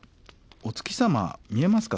お月様見えますか？